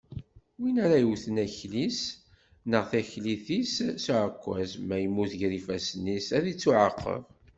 Win ara yewwten akli-s neɣ taklit-is s uɛekkaz, ma yemmut gar ifassen-is, ad ittuɛaqeb.